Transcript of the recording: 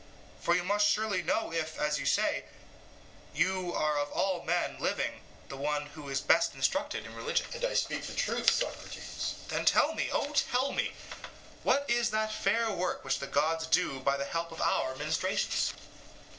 For you must surely know if, as you say, you are of all men living the one who is best instructed in religion. EUTHYPHRO: And I speak the truth, Socrates. SOCRATES: Tell me then, oh tell me what is that fair work which the gods do by the help of our ministrations?